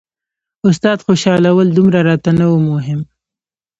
استاد خوشحالول دومره راته نه وو مهم.